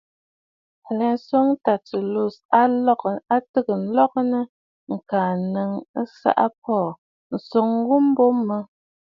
A twoŋə̀ Tertullus, a tɨgə̀ ǹlɔgɨnə ŋka nnɨŋtə ɨsaʼa Paul, ǹswoŋə ghu mbo mə.